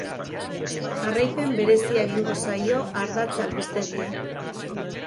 Jarraipen berezia egingo zaio ardatz albistegian.